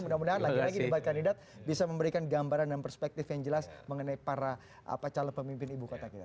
mudah mudahan lagi lagi debat kandidat bisa memberikan gambaran dan perspektif yang jelas mengenai para calon pemimpin ibu kota kita